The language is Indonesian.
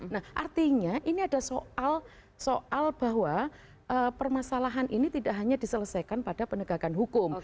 nah artinya ini ada soal bahwa permasalahan ini tidak hanya diselesaikan pada penegakan hukum